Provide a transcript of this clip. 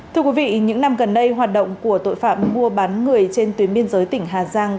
thưa quý vị những năm gần đây hoạt động của tội phạm mua bán người trên tuyến biên giới tỉnh hà giang